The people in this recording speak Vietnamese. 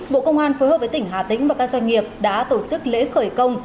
bộ công an phối hợp với tỉnh hà tĩnh và các doanh nghiệp đã tổ chức lễ khởi công